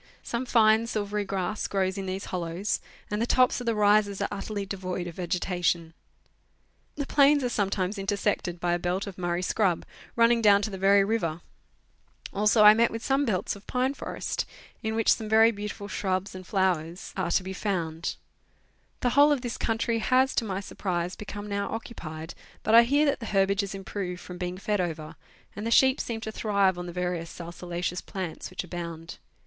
Some fine, silvery gra^s grows in these hollows, and the tops of the rises are utterly devoid of vegetation. The plains are sometimes intersected by a belt of Murray scrub, running down to the very river ; also, I met with some belts of pine forest, in which some very beautiful shrubs and flowers are 244 Letters from Victorian Pioneers. to bo found. The whole of this country has, to my surprise, become now occupied, but I hear that the herbage has improved from being fed over, and the sheep seem to thrive on the various salsolaceous plants which abound.